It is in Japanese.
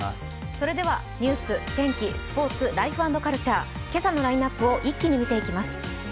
それではニュース、天気、スポーツ、ライフ＆カルチャー今朝のラインナップを一気に見ていきます。